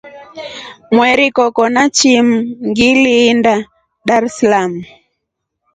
Mweri koko na chimu ngiliinda Darsalamu.